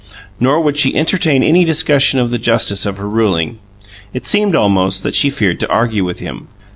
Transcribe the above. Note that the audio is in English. Nor would she entertain any discussion of the justice of her ruling. It seemed, almost, that she feared to argue with him.